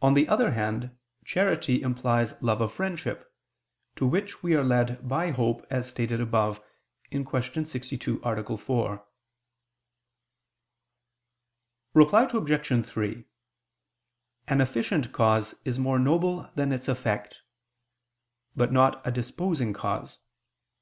On the other hand, charity implies love of friendship, to which we are led by hope, as stated above (Q. 62, A. 4). Reply Obj. 3: An efficient cause is more noble than its effect: but not a disposing cause.